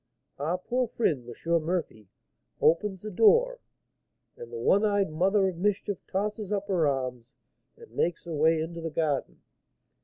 Our poor friend, M. Murphy, opens the door, and the one eyed mother of mischief tosses up her arms and makes her way into the garden.